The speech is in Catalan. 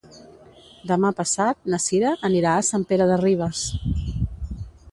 Demà passat na Cira anirà a Sant Pere de Ribes.